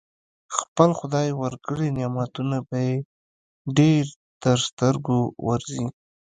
خپل خدای ورکړي نعمتونه به يې ډېر تر سترګو ورځي.